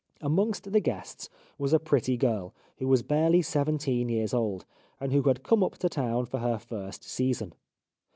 Amongst the guests was a pretty girl, who was barely seventeen years old, and who had come up to town for her first season.